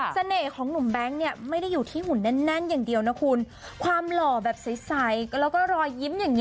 สะใหนของหนุ่มแบงค์ไม่ได้อยู่ที่หุ่นแน่เลยความหล่อแบบใสและรอยยิ้ม